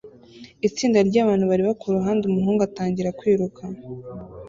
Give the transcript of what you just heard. Itsinda ryabantu bareba kuruhande umuhungu atangira kwiruka